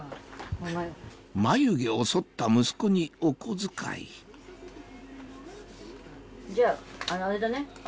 眉毛をそった息子にお小遣いじゃあれだね